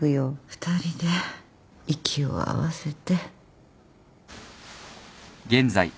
２人で息を合わせて